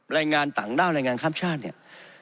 แรงงานต่างด้าวแรงงานข้ามชาติเนี่ย